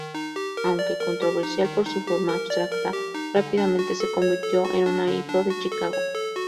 Aunque controversial por su forma abstracta, rápidamente se convirtió en un hito de Chicago.